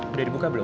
udah dibuka belum